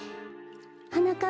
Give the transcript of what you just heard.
はなかっ